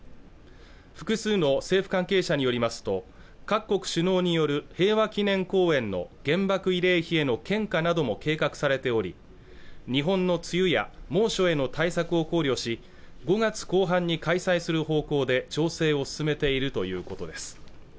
複数の政府関係者によりますと各国首脳による平和記念公園の原爆慰霊碑への献花なども計画されており日本の梅雨や猛暑への対策を考慮し５月後半に開催する方向で調整を進めているということです